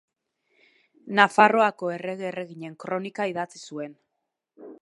Nafarroako errege-erreginen kronika idatzi zuen.